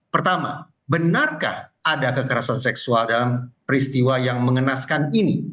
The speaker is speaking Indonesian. pertama benarkah ada kekerasan seksual dalam peristiwa yang mengenaskan ini